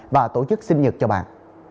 và tổ chức sinh nhật cho bạn